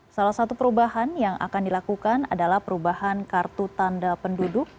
salah satu perubahan yang akan dilakukan adalah perubahan kartu tanda penduduk